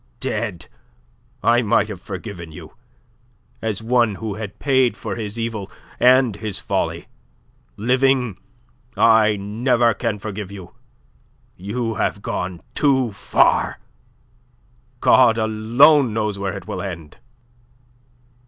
"Dead, I might have forgiven you, as one who had paid for his evil, and his folly. Living, I never can forgive you. You have gone too far. God alone knows where it will end.